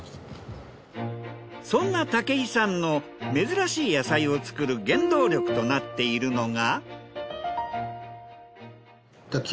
そんな武井さんの珍しい野菜を作る原動力となっているのが。